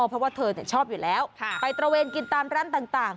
เพราะว่าเธอชอบอยู่แล้วไปตระเวนกินตามร้านต่าง